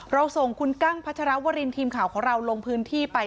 ส่งคุณกั้งพัชรวรินทีมข่าวของเราลงพื้นที่ไป